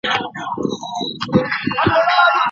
او د نقاش جونګړه